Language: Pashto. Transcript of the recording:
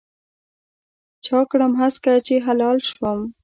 چا کړم هسکه چې هلال شوم